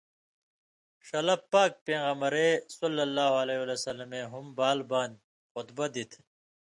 ݜلہ پاک پېغمبرے ﷺ ہُم بال بانیۡ (خُطبہ دِتیۡ)